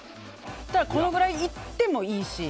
このぐらい、いってもいいし。